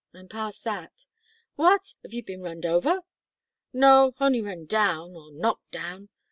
I'm past that." "What! have 'ee bin runned over?" "No on'y run down, or knocked down."